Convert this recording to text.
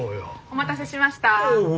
お待たせしました。